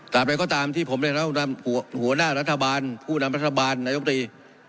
อะไรก็ตามที่ผมได้รับหัวหน้ารัฐบาลผู้นำรัฐบาลนายกตรี